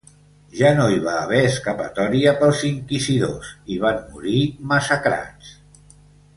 Ja no hi va haver escapatòria pels inquisidors i van morir massacrats.